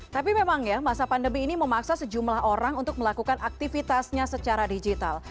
tapi memang ya masa pandemi ini memaksa sejumlah orang untuk melakukan aktivitasnya secara digital